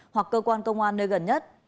hoặc cơ quan công an nơi gần nhất